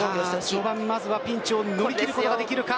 序盤にピンチを乗り切ることができるか。